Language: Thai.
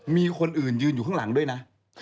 มีคนอื่นยืนอยู่ข้างหลังด้วยนะ